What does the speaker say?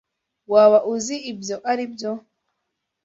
Waba uzi ibyo aribyo?